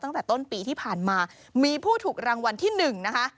ตั้งแต่ต้นปีที่ผ่านมามีผู้ถูกรางวัลที่หนึ่งนะคะ